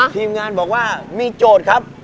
ทีมงานบอกว่ามีโจทย์ครับ